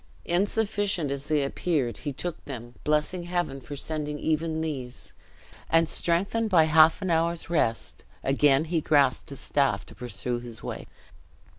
Insufficient as they appeared, he took them, blessing Heaven for sending even these, and strengthened by half an hour's rest, again he grasped his staff to pursue his way.